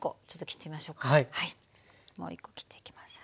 もう１コ切っていきます。